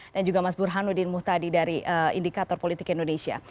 dan juga mas burhan udin muhtadi dari indikator politik indonesia